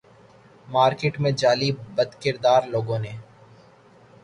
market میں جعلی اور بدکردار لوگوں نے